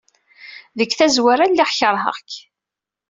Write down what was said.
Deg tazwara, lliɣ keṛheɣ-k.